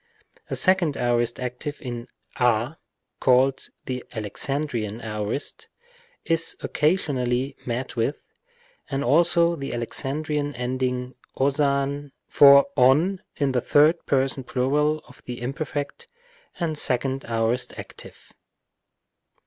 A second aorist active in a (called the Alexan drian aorist) is occasionally met with, and also the Alexandrian ending οσαν for ov in the third person plural of the imperfect and second aorist active.